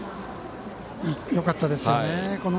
よかったですよね。